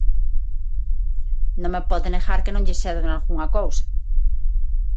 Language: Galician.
Non me pode negar que non lle cedo nalgunha cousa.